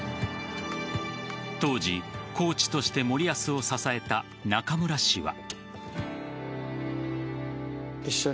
当時、コーチとして森保を支えた中村氏は。